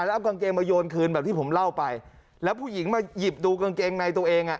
แล้วเอากางเกงมาโยนคืนแบบที่ผมเล่าไปแล้วผู้หญิงมาหยิบดูกางเกงในตัวเองอ่ะ